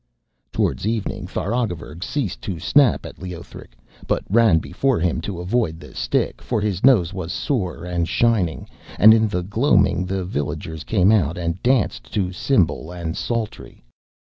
Towards evening Tharagavverug ceased to snap at Leothric, but ran before him to avoid the stick, for his nose was sore and shining; and in the gloaming the villagers came out and danced to cymbal and psaltery.